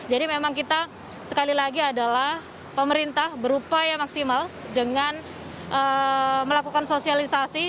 jadi memang kita sekali lagi adalah pemerintah berupaya maksimal dengan melakukan sosialisasi